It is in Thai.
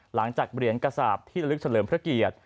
หลังจากเหรียญกระสาปที่ละลึกเฉลิมพระเกียรติ